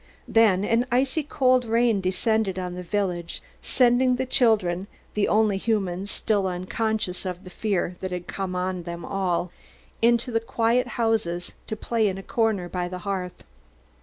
Then an icy cold rain descended on the village, sending the children, the only humans still unconscious of the fear that had come on them all, into the houses to play quietly in the corner by the hearth.